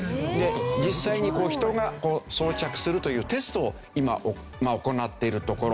実際に人が装着するというテストを今行っているところ。